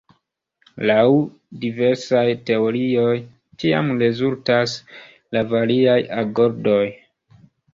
Laŭ diversaj teorioj tiam rezultas la variaj agordoj.